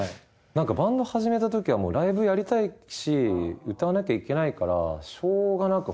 なんかバンド始めた時はライブやりたいし歌わなきゃいけないからしょうがなく